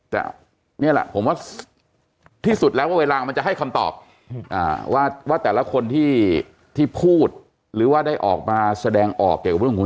แต่เนี่ยแหละผมว่าที่สุดแล้วเวลามันจะให้คำตอบว่าแต่ละคนที่ที่พูดหรือว่าได้ออกมาสแดงออก